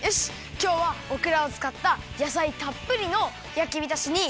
きょうはオクラをつかったやさいたっぷりのやきびたしにきまり！